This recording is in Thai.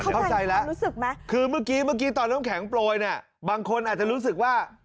เข้าใจแล้วตอนน้ำแข็งปลายน่ะบางคนอาจจะรู้สึกว่า